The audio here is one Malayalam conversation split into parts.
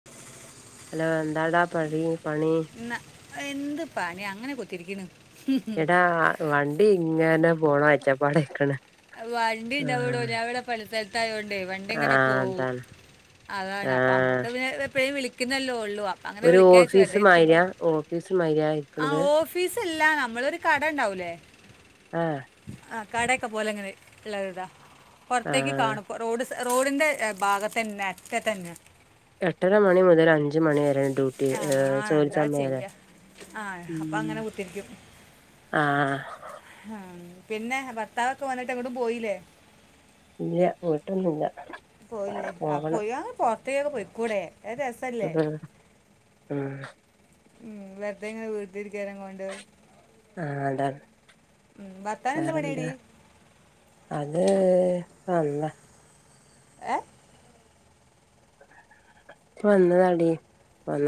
[inaudible] ഹലോ എന്താടാ പടി പണി? എന്നാ എന്ത് പണ്യാ അങ്ങനെ കൊത്തിരിക്കുണ്. എടാ വണ്ടി ഇങ്ങനെ പോണം ഒച്ചപ്പാടെക്കണ് വണ്ടിണ്ടാവിടോഞവിടെ പണിസ്ഥലത്തയോണ്ടേ വണ്ടി ഇങ്ങനെ ആഹ് പോവും അതാണ് അതാണ് അപ്പ ആഹ് അമ്മക്ക് തിന്എപ്പയും വിളിക്ക് ക്കുന്നല്ലോ ഉള്ളൂ അ അങ്ങനെ ഒരു വിളിക്കയച്ചു വെറതെ ഓഫീസ് ഇരിക്കുമ്പോ മാരിയാ ഓഫീസ് മാരിയാ ആ ഇരിക്കണത് ഓഫീസല്ല നമ്മളൊരു കട ഉണ്ടാവൂലേ? ആഹ് ആഹ് കടയൊക്കെ പോലങ്ങനെ ഉള്ളത്ടാ പുറത്തേക്ക് ആഹ് കാണും. റോഡ് സൈ റോഡിന്റെ ഭാഗത്ത് തന്നെ അറ്റ തന്നെയാ- എട്ടര മണി മുതൽ അഞ്ചു മണി വരെയാണ് ഡ്യൂട്ടി ഹ്ഹഹ് ചോയ്ച്ചാൽ മേലെ ആഹ് അപ്പ അങ്ങനെ കുത്തിരിക്കും. ആഹ് ആഹ് പിന്നെ ഭർത്താവൊക്കെ വന്നിട്ട് എങ്ങട്ടും പോയില്ലേ? ഇല്ല്യാ പോയിട്ടൊന്നും ഇല്ല. പോയില്ലേ ആ പോകണം പോയി അങ് പുറത്തേക പോയിക്കൂടെഒരു രസല്ലേ ഉം ഉം ഉം വെറുതെയിങ് വീട്ടിരിക്കാന കൊണ്ട്. ആഹ് അതാ ഉം, ഭർത്താവിന് എന്താ വേറെന്താ? പണിയടി അത് അള്ളാഹ്. ഏഹ് ഇപ്പ വന്നതാടി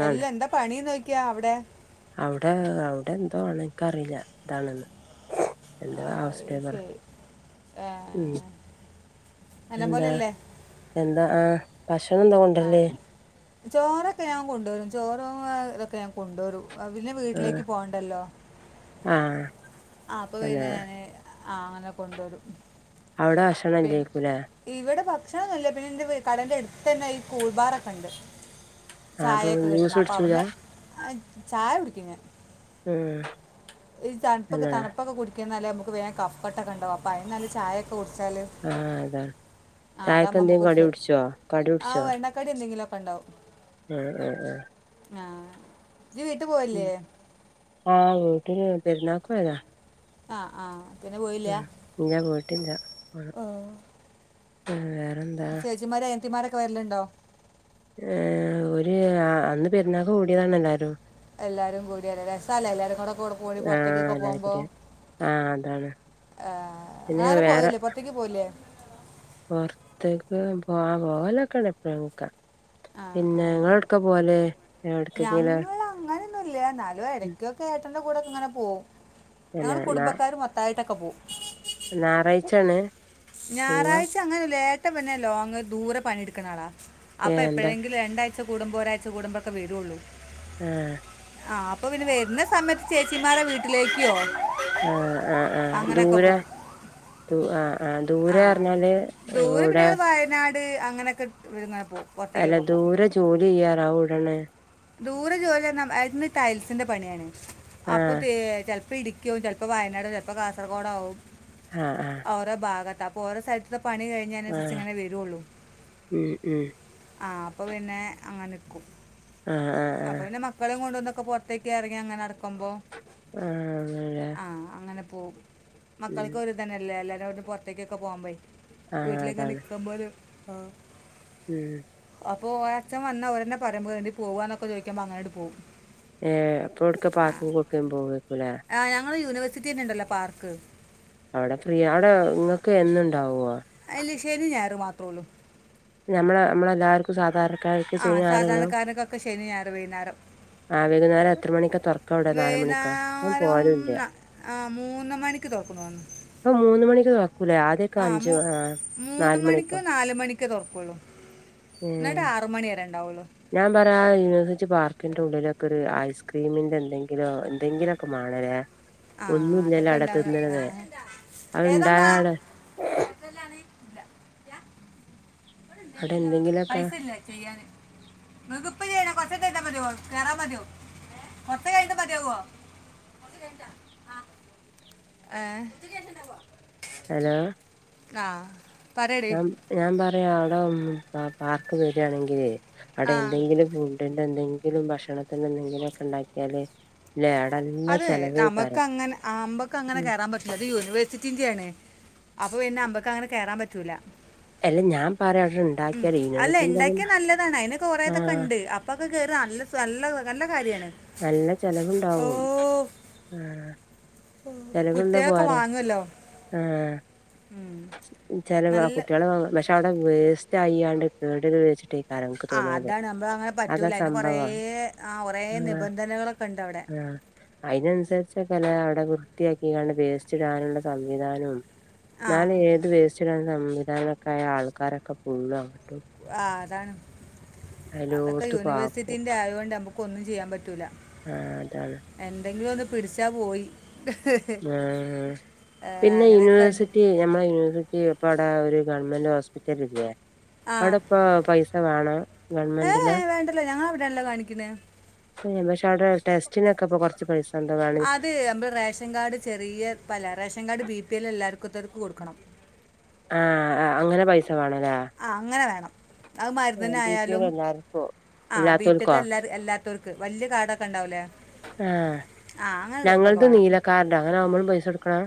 അ ല്ലാ എന്താ പണി നോക്കിയാ അവിടെ? അവിടെ അവിടെ എന്തോ ആണ് എനിക്കറിയില്ല എന്താണെന്ന് എന്ത ആ, അവസ്ഥയാ പറ ശരി ഏ, ഉം നല്ല പോലെ എന്താ അല്ലേ എന്താ ആഹ ഭക്ഷണം എന്താ ആ കൊണ്ടുവരല് ചോറൊക്കെ ഞാൻ കൊണ്ടുവരും ചോറും ആഹ് ഇതൊക്കെ ഞാൻ കൊണ്ടുവരും പിന്നെ വീട്ടിലേക്ക് പോകണ്ടല്ലോ ആഹ് ആഹ അപ്പൊ പിന്നെ ഞാന് ആഹ അങ്ങനെ കൊണ്ടുവരും അവിടെ പിന്നെ ഭക്ഷണംല്ലേക്കൂല ഇവിടെ ഭക്ഷണ ഒന്നുമല്ല പിന്നെന്റെ കടന്റെ അടുത്ത് തന്നെ ഈ കൂൾബാറൊക്കെ ഉണ്ട് ആ അപ്പൊ ചായ ഒക്കെ ജ്യൂസ് കിട്ടന്ന് അപ്പൊ കുടിച്ചൂല അവിടുന്ന് ചായ കുടിക്കും ഞാൻ ഉം ത് തണുപ്പൊക്കെ തന്നെ തണുപ്പൊക്കെ കുടി ഒക്കനല്ലേ നമുക്ക് വേഗം കഫക്കെട്ടൊക്കെ ഉണ്ടാവും അപ്പം അതിനും നല്ലത് ചായൊക്കെ കുടിച്ചാല് കുടിച്ചാൽ ആഹ് അതാണ് ആ അതാകുമ്പോൾ ചായക്കെന്തെങ്കും കടി കുടിച്ചുവോ കടി കുടിച്ചുവോ കടി എന്തെങ്കിലൊക്കെ ഉണ്ടാവും ആഹ് ആഹ് ആഹ് ആഹ് ന്ജ് വീട്ടു പോവലില്ലേ ആഹ് വീട്ടില് പെരുന്നാക്ക് പോയതാ ആഹ് ആഹ് പിന്നെ പോയില്ല ഉം ഇല്ല പോയിട്ടില്ല ഹമ് ഹ് വേറെന്താ ചേച്ചിമാര് അനിയത്തിമാര് ഒക്കെ വരിലുണ്ടോ ഏഹ അവര് അന്ന് പെരുന്നാക്ക് കൂടിയതാണ് എല്ലാരും എല്ലാരും കൂടിയാല രസല്ലെ എല്ലാരും കൂടെ കൂടി ആ പുറത്തേക്കൊക്കെ എല്ലാരും പോകുമ്പോ കൂടി ആ അതാണ് ആഹ് പിന്നെ ആരു വേറെ പോവലി ല്ലേ പുറത്തേക്ക് പോവാലില്ലേ പൊറത്തേക്ക് ആഹ പോവലോകെ ഉണ്ട് എപ്പോഴുമൊക്കെ ആ പിന്നെ നിങ്ങളെവിടെക്കാ പോവല്? എവ്ട്ക്കെങ്കിലും ഞങ്ങള് അങ്ങനൊന്നുല്ല എന്നാലും എടക്കൊക്കെ ഏട്ടന്റെ കൂടെ ഇങ്ങനെ പോവും പിന്നെ ഞങ്ങള് കുടുംബക്കാരു മൊ ത്തായിട്ടൊക്കെ പോവും ഞായറാഴ്ചയാണ് ഞായറാഴ്ച അങ്ങനെന്നുല്ല ഏട്ടൻ പിന്നെ ലോങ്ങ് ദൂരെ പണിയെടുക്കുന്നളാ ഏ അപ്പൊ എന്താ എപ്പോഴെങ്കിലും രണ്ടഴ്ച കൂടുമ്പോഒരാഴ് കൂടുമ്പോക്കെ വരുള്ളൂ ആഹ് ആഹ അപ്പൊ പിന്നെ വരുന്ന സമയത്ത് ചേച്ചിമാരെ വീട്ടിലേക്കോ ആഹ് ആഹ് ആഹ് അങ്ങനെയൊക്കെ ദൂരെ പോവും ദൂ ആഹ് ആ ഹ് ദൂരെ പറഞ്ഞാല് എവിടെ ത് അങ്ങനെയൊക്കെ രുന്നപ്പോവും അല്ല ദൂരെ ജോലി ചെയ്യാറാവിടണേ ദൂരെ ജോലി പറഞ്ഞ ഏട്ടന് ടൈൽസിന്റെ പണിയാണ് ആഹ് അപ്പൊതേ ചിലപ്പോ ഇടുക്കി വും, ചിലപ്പോ വയനാടാവും, ചിലപ്പോ കാസർഗോടാവും. ആഹ് ആഹ. ഓരോ ഭാഗത്ത്, അപ്പൊ ഓരോ സ്ഥലത്ത പണി കഴിഞ്ഞതിന് ശേഷം ആഹ് ഇങ്ങനെ വരുള്ളു. ഉം ഉം ആഹ, അപ്പൊ പിന്നെ അങ്ങന നിക്കും. ആഹ് ആഹ് അപ്പൊ ആഹ് പിന്നെ മക്കളും കൊണ്ടുവന്നൊക്കെ, പുറത്തേക്ക ഇറങ്ങി അങ്ങനെ നടക്കുമ്പോ... ആഹ ആണെലെ. ആഹ, അങ്ങനെ പോവും, മക്കൾക്ക് ഒരുതന്നല്ലേ എല്ലാരും കൂടി പുറത്തേക്കൊക്കെ പോകുമ്പേ. ആഹ് വീട്ടിലൊക്കെ ഇങ്ങെനെ അതാണ് ഇരികുമ്പേഴും. ആ... ഉം. അപ്പൊ ഒര അഛൻ വന്ന ഒരേന്നെ പറയും ണ്ടി പോവാന്നൊക്കെ ചോദിക്കുമ്പോ അങ്ങനട്ട് പോവും. ഏഹ, അപ്പ ഇവിടുക്കെ പാർക്ക് കൊടുക്കേലും പോകേക്കുലേ? ആഹ ഞങ്ങൾ യൂണിവേഴ്സിറ്റി തന്നെ ഉണ്ടല്ലോ പാർക്ക്. അവിടെ ഫ്രീ അവിടെ ഇങ്ങക്ക് എന്നുണ്ടാവുവോ? അല്ല, ശനിം ഞായറും മാത്രള്ളു. ഞമ്മളെ നമ്മളെല്ലാർക്കും സാധാരണക്കാർ ആഹ് സാധാരണക്കാരനക്കൊക്കെ ശനി ഞായർ വൈന്നേരം. ആ വൈകുന്നേരം എത്ര മണിക്കാ തുറക്ക അവിടെ നാല് മണിക്കാ ഞാൻ വൈന്നാരം പോവലില്ല ആഹ് മൂന്ന് മണിക്ക് ക്ക്‌തോക്കുന്നുന്ന്. പ മൂന്ന് മണിക്ക് തൊർക്കൂലേ? ആ.. ആഹ് മൂ മൂന്ന് നാല് മണിക്ക് മണിക്കോ നാല് മണി... ക്ക് തൊർക്കുള്ളൂ, ഏ എന്നിട്ട് ആറ് മണി വരെ ഉണ്ടാവുള്ളൂ. ഞാൻ പറയാ യൂണിവേഴ്സിറ്റി പാർക്കിന്റെ ഉള്ളിലൊക്കെ ഒരു ഐസ്ക്രീമിന്റെ എന്തെങ്കിലോ എന്തെങ്കിലൊക്കെ മാണല്ലേ. ആ ഒന്നുംല്ലല്ലോ അതൊക്കെ അവിടെ ഉണ്ടാവും ആ. തിന്ന്ണത്. അത് ഇണ്ടായ ആള്... ഏർട്ടലാണ്? ഇവിടെ അവിടെ ഇണ്ടയിനല്ലോ, എന്തെങ്കിലൊക്കെ പൈസ ഇല്ല ചെയ്യന്, ഇങ്ങക്ക് ഇപ്പോ ചെയ്യണോ? കൊർ കൊർച്ച കഴഞ്ഞാൽ മതിയാവോ? കയറാ മതിയാ, കൊർച്ച കഴിഞ്ഞിട്ട് മതിയാവോ? കോർച്ച കഴ്ഞ്ഞിട്ട? ഏഹ് ഹലോ? ആഹ് ഞാൻ ഞാൻ പറയാ അവിടെ പാർക്ക് വരിയാണെങ്കില് അവിടെ ആ എന്തെങ്കിലും... വടിന്റെ എന്തെങ്കിലും ഭക്ഷണത്തിന്റെ എന്തെങ്കിലൊക്കെ ഉണ്ടാക്കിയാല്. ലേടൻ... അത് നമക്ക് അങ്ങനെ അമ്പക്ക് അങ്ങനെ ഉം കയറാൻ പറ്റില്ല, അത് യൂണിവേഴ്സിറ്റി യാണ്. അപ്പൊ പിന്നെ അമ്മക്ക് അങ്ങനെ കയറാൻ പറ്റൂല. അല്ല ഞാൻ പറയ അവിടെ ഉണ്ടാക്കിയാ യൂനേഴ്സിറ്റിൻന്റെ അതന്നെ... താണ്. അതിന് കൊറേതൊക്കെ ഉണ്ട്, അപ്പൊക്കെ കേറ നല്ല നല്ല നല്ല കാര്യമാണ്. നല്ല ഓ ചെലവുണ്ടാവും. ആഹ്. ഉം, ചെലവുള്ള കുട്ടികളൊക്കെ പോരാ വാങ്ങല്ലോ. ചില ആ കുട്ടികളെ വാ പക്ഷെ അവിടെ വേസ്റ്റ് ആയിയാണ്ട് കേട് വരും വിചാരിച്ചിട്ട്. ആ അതാണ്. നമ്മൾ അങ്ങനെ പറ്റൂല അതിന് കൊറേ സംഭവം ആഹ് കൊറേ നിബന്ധനകളൊക്കെ ഉണ്ട് അവിടെ. അതിനനുസരിച്ചൊക്കെല അവിടെ വൃത്തിയാക്കികാണ്ട് വേസ്റ്റ് ടാനുള്ള സംവിധാനവും... ആ എന്നാല് ഏത് വേസ്റ്റ്ടാന് സംവിധാനമൊക്കെ ആയ ആൾക്കാരൊക്കെ ഫുള്ള് അവിടെ ടും. ആഹ്, അതാണ്. അതൊക്കെ എല്ലോട്ത്ത്ക്കും ആക്കും യൂണിവേഴ്സിറ്റിന്റെ ആയൊണ്ട് നമുക്കൊന്നും ചെയ്യാന് പറ്റൂല. ആഹ് അതാണ് എന്തെങ്കിലും ഒന്ന് പിടിച്ചാൽ പോയി. ആഹ്, ആ, പിന്നെ അങ്ങനെയൊക്കെ ഉണ്ട് യൂണിവേഴ്സിറ്റി നഞമ്മള യൂണിവേഴ് ഇപ്പ അവിടെ ഒരു ഗവൺമെന്റ് ഹോസ്പിറ്റൽ ഇല്ലേ? ആ അവിടെ ഇപ്പ പൈസ വേണം ഏ ഗവൺമെന്റില്? വേണ്ടല്ലോ ഞങ്ങൾ അവിടെയാണല്ലോ കാണിക്കുന്നത് പെ അവിടെസ്റ്റിനൊക്കെപ്പൊ കുറച്ച് പൈസ എന്തോ വേണം അത് നമ്മൾ റേഷൻ കാർഡ് ചെറിയ പല ration card B P L എല്ലാത്തർക്ക് കൊടുക്കണം. ആഹ് ആഹ് അങ്ങനെ പൈസ വേണല്ലേ ആഹ് അങ്ങനെ വേണം അത് ബി പി എൽ മരുന്നിനയാലും എല്ലാർക്കോ ആഹ് ബിപിഎൽ ഇല്ലാത്തോൽക്കോ എല്ലാര അല്ലാത്തവർക്ക് വല്ല്യ കാർടൊക്കെ ഉണ്ടാവൂലേ ആഹ് ഞങ്ങളത് വേണം നീലക്കാർട അങ്ങനെ ആവുമ്പോഴും പൈസ കൊടുക്കണം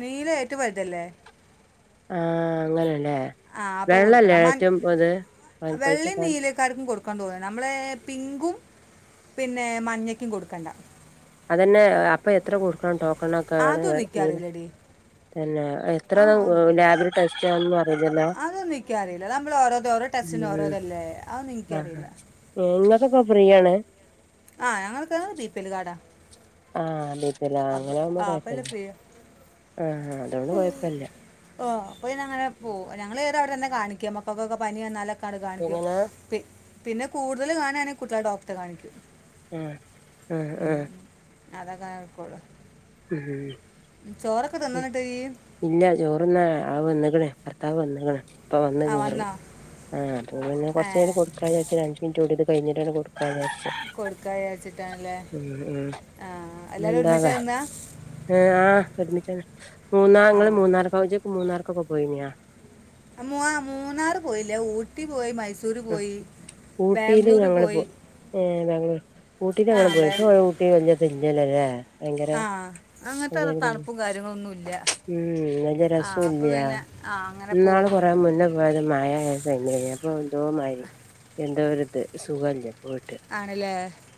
നീല ഏറ്റവും വലുതല്ലേ ആഹ് അങ്ങനെയല്ലേ ആ അപ്പോൾ വെള്ളല്ലേ കൊടുക്കണം മൻ ഏറ്റവും ഇത് വൽ പൈസല്ലാത്തെ ക്കാർക്കും കൊടുക്കാ തോന്നുന്നു നമ്മളെ പിങ്കും പിന്നെ മഞ്ഞയ്ക്കും കൊടുക്കണ്ട അതന്നെ അപ്പൊ എത്ര കൊടുക്കണം ടോക്കൺ ഒക്കെ ഇവിടെ അതൊന്നും നീല എനിക്കറിയില്ലടി തന്നെ എത്ര ആ അതൊന്നും എനിക്കറിയില്ല ലാബിൽ ടെസ്റ്റ്ന്ന് ഒന്നും അറീല്ല്യല്ലോ ടെസ്റ്റ്‌ ന് ഓരോ ഇതല്ലേ അതൊന്നും ഇൻക്ക് അറില്ല ഏഹ് ഇങ്ങൾക്കപ്പൊ ഫ്രീ ആണ് ആഹ് ഞങ്ങൾക്ക് ബീപിഎൽ കാർടാ ആഹ് ബിപിഎല്ലാ അങ്ങനെ ആകുമ്പോ കുഴപ്പല്ല ഉം ഓഗ അപ്പൊ പിന്നെ അങ്ങനെ പോവും ഞങ്ങൾ ഏത അവിടെ തന്നെ കാണിക്ക മക്കൾക്കൊക്കെ പനി വന്നാലൊക്ക അവിടെ കാണിക്കും എങ്ങനെ പിന്നെ കൂടുതൽ കാണാണെങ്കിൽ കുട്ടിളെട ഡോക്ടറെ കാണിക്കും ആഹ് ഉം. ആഹ് അതൊക്കെ നടക്കൊള്ളു ഉം ഈ ഇല്ല ചോറ്ന്നാൻ അത് വന്ന്ക്കണ് ഭർത്താവ് വന്ന്ക്കണ് ഇപ്പ വന്ന് ആ കേറി വന്നോ ആഹ് അപ്പൊ പിന്നെ ഏ കൊറച്കഴിഞ്ഞ് കൊടുക്കാ വിചാര്ച്ച് മിനിറ്റുടി കഴിഞ്ഞിട്ടാണ് കൊടുക്കാ വിജാര്ച് കൊടുക്കാച്ചിട്ടാണല്ലേ ഉം ആഹ് എല്ലാരും ഒരുമിച്ചാ തിന്നാ ഏ ആഹ് ഒരുമിച്ചാണ് മൂന്നാ ആ നിങ്ങള്ൾ മൂന്നാർക്കച്ചക്ക് മൂന്നാർക്കൊക്കെ പോയിനിയാ ആഹ് മൂ മൂന്നാർ പോയില്ലാ ഊട്ടി പോയി മൈസൂ ഊട്ടിയില് ഞങ്ങള് പോ പോയി ഏഹ് ബാംഗ്ലൂർ ഊട്ടിൽ ആ ഞങ്ങള് പോയി പ്പോ ബാ ഊട്ടിൽ വല്ല്യ ഇത് ഇല്ല്യല്ലേ ഭയങ്കര ആഹ് അങ്ങനത്തെ തണുപ്പും കാര്യങ്ങളൊന്നു ല്ല ഉം വല്ല്യ രസും ഇല്ല ആ അങ്ങനെ ഇന്നാൾ പോവും കൊറേ മുന്നേ പോയത് മഴ ആയത് ആയിക്കാണ്ടെയ്ൻ അപ്പൊ എന്തോമാതിരി എന്തോ ഒരു ഇത് സുഖല്ല പോയിട്ട് ആണല്ലേ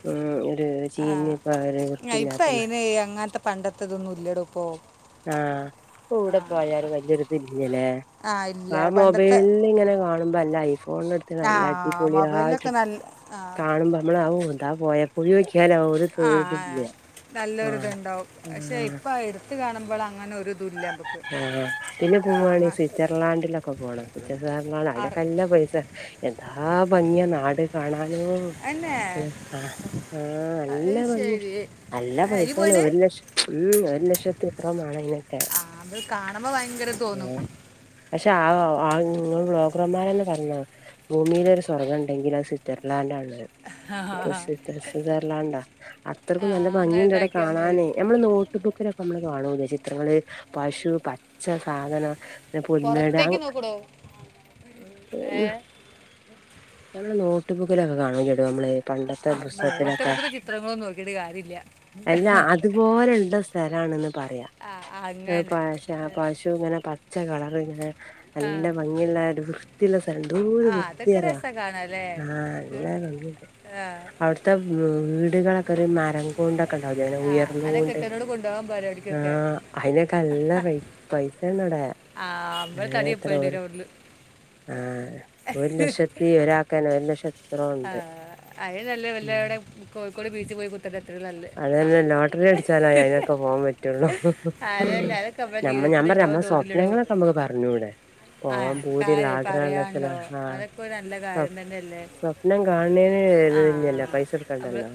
ഉം ഒരു ചീഞ്ഞ് ഇപ്പ ഒരു ആഹ് ഇപ്പ വൃത്തിയില്ലാത്ത മ അയ്ന് അങ്ങനത്തെ പണ്ടത്തതൊന്നും ഇല്ലടൊ ഇപ്പോ ആഹ് എവിടെ പോയലും വല്ല്യ ഒരു ഇത് ഇല്ലല്ലേ ആ ഇല്ല ആഹ് പണ്ടത്തെ മൊബൈലിൽ ഇങ്ങനെ കാണുമ്പോ നല്ല ഐഫോൺ ഇടു ത്ത് ആ നല്ല അടിപൊളിയായിട്ട് മൊബൈലിലൊക്കെ ഇട്ക്കും നല്ല ആ കാണുമ്പോ നമ്മൾ ഔ ന്താ പോയപ്പൊളി വക്ക ക്കിയാലൊ ഒരു ആ ആ, തോഴതില്ല ആഹ് ആഹ് ട്ട് കാണുമ്പോൾ അങ്ങനെ ഒരു ഇതും ഇല്ലപ്പൊ ആഹ് പിന്നെ പോവുവാണെങ്കിൽ സ്വിറ്റ്സർലാൻഡിലൊക്കെ പോണം സ്വിറ്റ്സർലാൻഡ അറി അയിലൊക്കെ നല്ല പൈസ എന്താ ഭംഗിയാ നാട് എന്നെ കാണാനോയ് ആഹ് ആഹ് അത് നല്ല ഭംഗിയ ശരി നല്ല ആ, ഈ പൈസാണ് പോയിന് ഒരു ലക്ഷം ഉം ഒരു ലക്ഷത്തി എത്രയോ മാണം അയിൻ ആഹ് അത് കാണുമ്പോ ഭയങ്കരത് തോന്നും ഉം പക്ഷെ ആഹ് ആഹ് ഇങ്ങൾ ബ്ലോഗർമാരന്നെ പറഞ്ഞതാ ഭൂമിയില് ഒരു സ്വർഗ്ഗണ്ടെങ്കിൽ അത് സ്വിറ്റ്സർലാൻഡ് ആണ് ന്ന് സു സുധർലാന്റ ആ അത്രയ്ക്കും നല്ല അങ്ങനെ ഭംഗിയുണ്ട് അവിടെ ഇതാക്കിയാൽ മതി കാണാന് നമ്മള് നോട്ട്ബുക്കിലൊക്കെ നമ്മള് കാണുലെ ചിത്രങ്ങള് പശു പച്ച സാധന പുൽമേട് പുറത്തേക്ക് അങ്ങ് നോക്കടോ ഏ നമ്മള് നോട്ട്ബുക്കിലൊക്കെ കാണുലേടോ നമ്മള് പണ്ടത്തെ ആ, നോട്ട് പുസ്തകത്തിലൊക്കെ ബുക്കിലെ ചിത്രങ്ങളൊന്നും നോക്കിയിട്ട് കാര്യമില്ല അല്ല അതുപോലെണ്ട് ആ സ്ഥ സ്ഥലാണ്ന്ന് പറയാ ആ അങ്ങനെ പശ ഏ, പശു ഇങ്ങനെ പച്ച കളർ ഇങ്ങനെ ആ നല്ല മ ഇനി എല്ലാരും വൃത്തിയുള്ള സ്ഥലം എന്തോരം ആ അതൊക്കെ വൃത്തിയറിയാ രസം കാണാല്ലേ ആഹ് നല്ല ഭംഗി ഇണ്ട് അവിടുത്തെ വീട് വീടികളൊക്കെ ഒരു മരം കൊണ്ടൊക്കെ ഇണ്ടാവുല്ലേ ആ അതൊക്കെ ഉയർന്നോണ്ട് എത്തനോട് കൊണ്ടുപോകാൻ പരിപാടിക്കൊക്കെ ആഹ് അയിനൊക്കെ നല്ല റേ പൈസാണിവടെ ആഹ് മ്പേ തടിയപ്പണ്ടി വരും അവിടുന്ന് ആഹ് ഒരു ലക്ഷത്തി ഒരാക്കന്നെ ഒരു ലക്ഷത്തി ആഹ് അയെ നല്ല വല്ലവിടെ കോഴിക്കോട് ബീച്ചിൽ പോയി കുത്തർന്ന അത്ര നല്ല അത് തന്നെ ലോട്ടറി അടിച്ചാലായി അയിതിനൊക്കെ പോവാൻ പറ്റൊള്ളു അതല്ല അതൊക്കെ നമ്മുടെ നമ്മ ഞാൻ ജീവിതത്തിൽ പറഞ്ഞ് ഉണ്ടാവും നമ്മുടെ തോന്നില്ലടോ സ്വപ്നങ്ങളൊക്കെ നമ്മക്ക് പറഞ്ഞു ടെ ആ പോവാൻ പൂതിള്ള കാര്യം ആഗ്രഹള്ളത്തിന പറയാണ്ടോ ആഹ് അതൊക്കെ ഒരു നല്ല സ്വ കാര്യം തന്നെയല്ലേ സ്വ പ്നം കാണേന് ഇതില്ലല്ലോ പൈസ കൊടുക്കണ്ടല്ലോ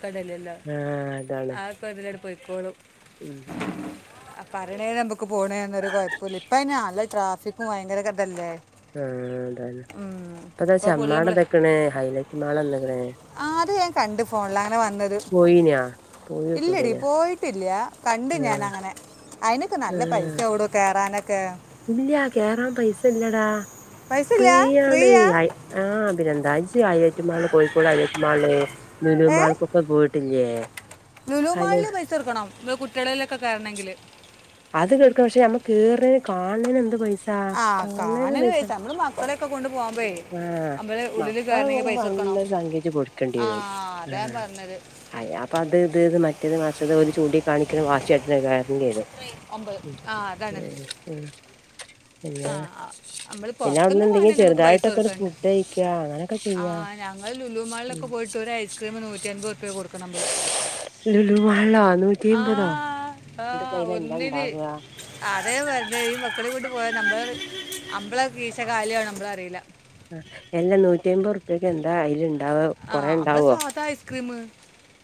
കടേലെല്ല ആഹ് അതാണ് ഇപ്പ അതിലൂടെ പോയ്ക്കോളും ഉം ഉം ആ പറയണേന് മ്മക്ക് പോണന്നൊരു കൊഴപ്പല്ല ഇപ്പ അയിന് നല്ല ട്രാഫിക്കും ഭയങ്കരക്ക ഇതല്ലേ ആഹ് അതെന്നെ ഉം. ഇപ്പതാ ഇപ്പൊ ഫുള്ള് ചെമ്മാട് തക്ക്ണ് ഹൈലൈറ്റ് മാള് വന്ന്ക്ക്ണ ആഹ് അത് ഞാൻ കണ്ട് ഫോണില് അങ്ങനെ വന്നത് പോയീനാ ഇല്ലടി പോയോക്കൂടേനാ പോയിട്ടില്ല്യ കണ്ടു ഞാൻ ആഹ് അങ്ങനെ അയിനക്ക് നല്ല പൈസ ആവടോ കേറാനൊക്കേ ഇല്ല്യ കേറാൻ പൈസ ഇല്ലടാ പൈസ ഫ്രീ ഇല്ല ആണ് ഫ്രീയാ ആഹ് രണ്ടാഴ്ചയായി highlight mall Kozhikode highlight mall ഏ ലുലുമാൾക്കൊക്കെ പോയിട്ടില്ല്യേ ഹലോ തീർക്കണം ഈ കുട്ടികളിലെക്കെ കേറണെങ്കില് അത് കൊട്ക്കാം പക്ഷെ നമ്മ് കേറ്നേന് കാണനേന് എന്ത് പൈസ ആഹ് ആ അതന്നെയാണ് കാണുന്ന പൈസ റീസൺ നമ്മൾ മക്കളെയൊക്കെ കൊണ്ട് പോകുമ്പോഴേ ആഹ് നമ്മൾ ഉള്ളിൽ മക്കളെ കയറണമെങ്കിൽ പോകുമ്പോ പൈസ കൊടുക്കണം അങ്ങൻത സഖ്യ ജ് കൊടുക്കേണ്ടി ആ വരും അതാ ഞാൻ ആഹ് പറഞ്ഞത് അയ അപ്പൊ അത് ഇത് ഇത് മറ്റേത് മറിച്ചേത് ഓല് ചൂണ്ടി കാണിക്കണ വാശിയായിട്ട [unintelligible] ഒമ്പത് ആഹ് അതാണ് ഉം പിന്നെ ആഹ് നമ്മള് പിന്നെ അവിടുന്ന് പൊറത്ത്ന്ന് എന്തെങ്കിലും കാണേന് നമ്മുക്ക് പൈസ ചെറുതായിട്ടൊക്കെ ഒരു കൊടുക്കണ്ട ഫുഡ് കഴിക്കാ അങ്ങനൊക്കെ ചെയ്യാ. ആഹ് ഞങ്ങൾ ലുലു ഉം മാളിലൊക്കെ പോയിട്ട് ഒരു ഐസ്ക്രീമ് നൂറ്റി അമ്പപത് റുപ്യ കൊടുക്ക നമ്മള് ലുലു മാളിലൊ നൂറ്റി എമ്പതാ ആഹ് ഒന്നിന് അതേ പിന്നേം ഈ മക്കളേ കൊണ്ട് പോയ നമ്മള് നമ്മള കീശകാലിയ ആവണേ നമ്മള് അറിയില്ല ആ എല്ലാ നൂറ്റി അമ്പത് റുപ്യക്ക് എന്താ അയില് ഇണ്ടാവോ ആ കൊറെ നമ്മളെ ഇണ്ടാവോ സാധാ ഐസ്ക്രീം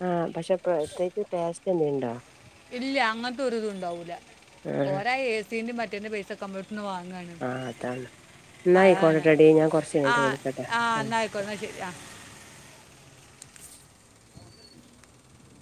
ആഹ് പക്ഷെ പ്രത്യേകിച്ച് ടേസ്റ്റ് എന്തെയണ്ടോ ഇല്ല്യ അങ്ങനത്തെ ഒരി ഇതു ഉണ്ടാവൂല്ല ആ ഓര ആഹ് എ സീന്റെ മറ്റേന്റെ പൈസ ക്കെ അമ്മളട്ത്ത്ന്ന് വാങ്ങാണ് ആഹ് അതാണ് എന്നായിക്കോട്ട ടി ഞാൻ കൊറച്ച് ആ കഴിഞ്ഞിട്ട് വിളിക്കട്ടോ ആ ആഹ് [unintelligible]